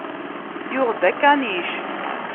Yuɣ-d akanic.